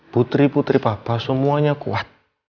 putri putri papa semuanya kuat